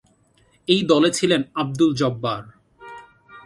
এই দলে ছিলেন আবদুল জব্বার।